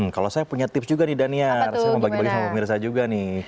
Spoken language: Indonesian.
kalau saya punya tips juga nih daniar saya mau bagi bagi sama pemirsa juga nih